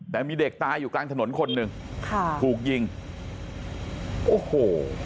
แต่มีเด็กตายอยู่กลางถนนคนหนึ่งค่ะถูกยิงโอ้โห